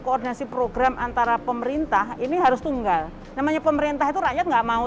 koordinasi program antara pemerintah ini harus tunggal namanya pemerintah itu rakyat nggak mau